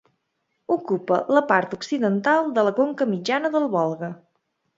Ocupa la part occidental de la conca mitjana del Volga.